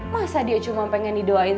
masa dia cuma pengen didoain